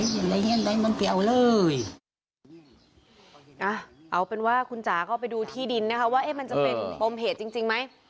ว่ามันจะเป็นบำเหตุจริงไหม